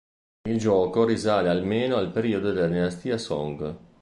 Il gioco risale almeno al periodo della dinastia Song.